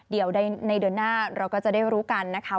เดี๋ยวในเดือนหน้าเราก็จะได้รู้กันนะคะ